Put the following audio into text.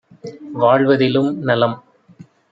வாழ்வதிலும் நலம்...